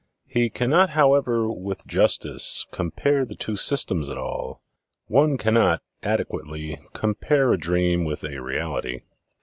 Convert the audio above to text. He cannot, however, with justice, com pare the two systems at all; one cannot, adequately, compare a dream with a reality.